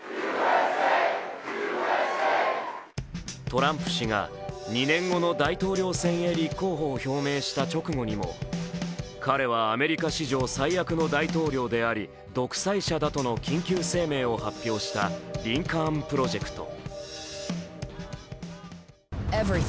トランプ氏が２年後の大統領選へ立候補を表明した直後にも彼はアメリカ史上最悪の大統領であり独裁者だとの緊急声明を発表したリンカーン・プロジェクト。